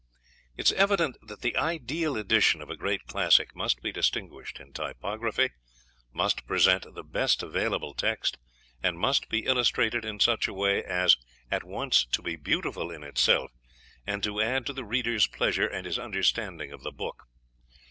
It is evident that the ideal edition of a great classic must be distinguished in typography, must present the best available text, and must be illustrated in such a way as at once to be beautiful in itself and to add to the reader's pleasure and his understanding of the book.